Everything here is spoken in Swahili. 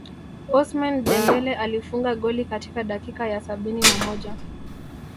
Ousmane Dembele alifunga goli katika dakika ya sabini na moja